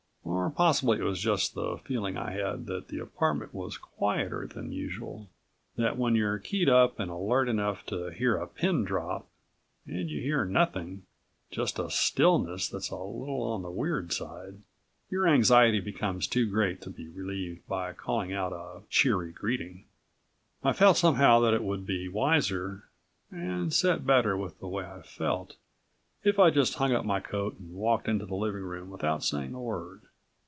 Or possibly it was just the feeling I had that the apartment was quieter than usual, that when you're keyed up and alert enough to hear a pin drop and you hear nothing just a stillness that's a little on the weird side your anxiety becomes too great to be relieved by calling out a cheery greeting. I felt somehow that it would be wiser, and set better with the way I felt, if I just hung up my coat and walked into the living room without saying a word.